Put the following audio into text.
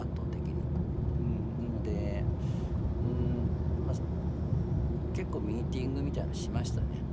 なので結構ミーティングみたいのしましたねうん。